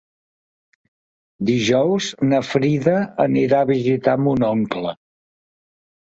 Dijous na Frida anirà a visitar mon oncle.